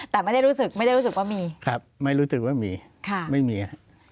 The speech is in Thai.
แต่ไม่ได้รู้สึกว่ามีครับไม่รู้สึกว่ามีไม่มี